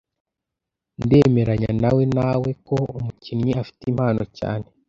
Ndemeranya nawe nawe ko umukinnyi afite impano cyane.